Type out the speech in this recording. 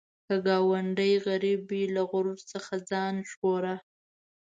که ګاونډی غریب وي، له غرور څخه ځان وژغوره